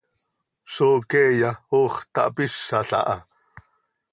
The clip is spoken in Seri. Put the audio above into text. ¡Zó queeya hoox tahpizàl ah!